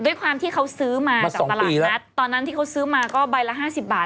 อย่างว่าไปมา๒ปีแล้วด้วยความที่เขาซื้อมากับตลาด๙๖